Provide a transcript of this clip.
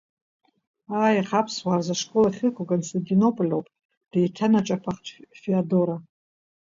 Ааи, аха аԥсуаа рзы ашкол ахьыҟоу Константинополь ауп, деиҭанаҿаԥахт Феодора.